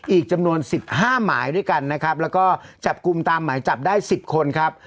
อีกจำนวน๑๕หมายด้วยกันนะครับแล้วก็จับกลุ่มตามหมายจับได้๑๐คนครับ